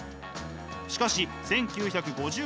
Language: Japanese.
しかし１９５０年代。